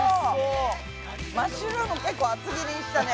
マッシュルームけっこう厚切りにしたね。